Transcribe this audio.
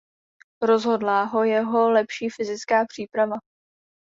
Rozhodla ho jeho lepší fyzická příprava.